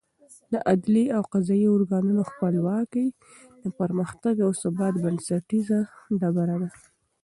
د عدلي او قضايي ارګانونو خپلواکي د پرمختګ او ثبات بنسټیزه ډبره ده.